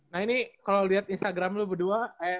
nah ini kalo liat instagram lo berdua